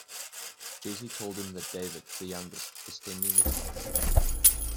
Jesse told him that David the youngest was tending the flock.